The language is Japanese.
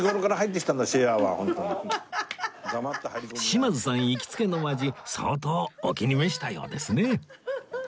島津さん行きつけのお味相当お気に召したようですね